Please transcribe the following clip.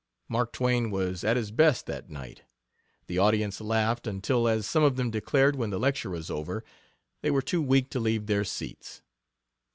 Mark Twain was at his best that night; the audience laughed until, as some of them declared when the lecture was over, they were too weak to leave their seats.